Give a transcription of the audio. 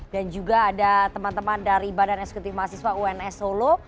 dan juga ada teman teman dari badan eksekutif mahasiswa uns solo